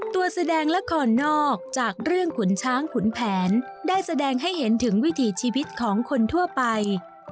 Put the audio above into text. แสดงละครนอกจากเรื่องขุนช้างขุนแผนได้แสดงให้เห็นถึงวิถีชีวิตของคนทั่วไป